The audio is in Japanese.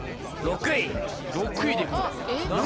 ６位で行くの？